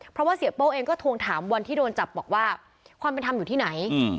เพราะว่าเสียโป้เองก็ทวงถามวันที่โดนจับบอกว่าความเป็นธรรมอยู่ที่ไหน